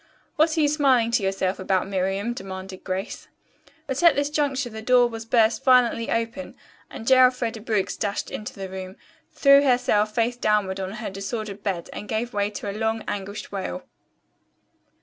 "What are you smiling to yourself about, Miriam?" demanded Grace. But at this juncture the door was burst violently open and J. Elfreda Briggs dashed into the room, threw herself face downward on her disordered bed and gave way to a long, anguished wail.